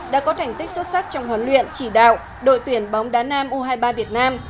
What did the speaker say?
đã có thành tích xuất sắc trong huấn luyện chỉ đạo đội tuyển bóng đá nam u hai mươi ba việt nam